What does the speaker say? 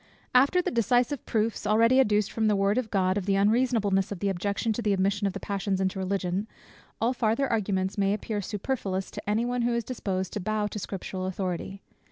After the decisive proofs already adduced from the word of God, of the unreasonableness of the objection to the admission of the passions into Religion, all farther arguments may appear superfluous to any one who is disposed to bow to scriptural authority.